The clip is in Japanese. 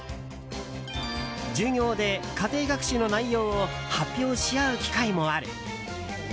授業で家庭学習の内容を発表し合う機会もある。